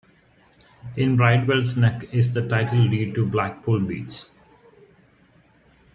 In Bridewell's neck is the title deed to Blackpool Beach.